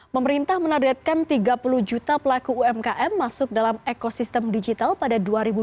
pemerintah menargetkan tiga puluh juta pelaku umkm masuk dalam ekosistem digital pada dua ribu dua puluh